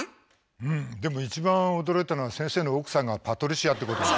うんでも一番驚いたのは先生の奥さんがパトリシアってことだね。